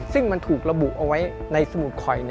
ซึ่งมันถูกระบุเอาไว้ในสมุดข่อย